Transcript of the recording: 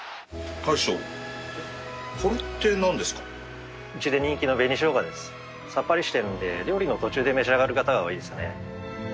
さっぱりしてるんで料理の途中で召し上がる方が多いですね。